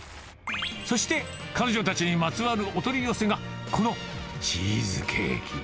そして、彼女たちにまつわるお取り寄せが、このチーズケーキ。